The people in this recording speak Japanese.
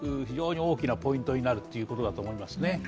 非常に大きなポイントになるということだと思いますね。